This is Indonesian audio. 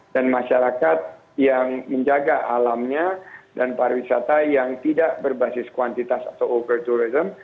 dan masyarakat yang menjaga alamnya dan pariwisata yang tidak berbasis kuantitas atau over tourism